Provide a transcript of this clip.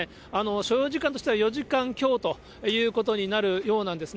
所要時間としては４時間強ということになるようなんですね。